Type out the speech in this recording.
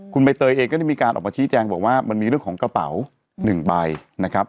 คุณใบเตยเองก็ได้มีการออกมาชี้แจงบอกว่ามันมีเรื่องของกระเป๋า๑ใบนะครับ